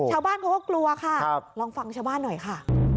ชาวบ้านเขาก็กลัวค่ะลองฟังชาวบ้านหน่อยค่ะ